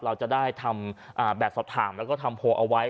เราจะได้ทำแบบสอบถามแล้วก็ทำโพลเอาไว้